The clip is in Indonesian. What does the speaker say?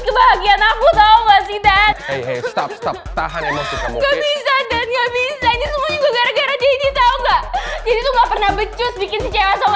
kebahagiaan aku tau